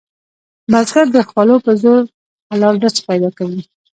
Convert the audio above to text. بزګر د خولو په زور حلال رزق پیدا کوي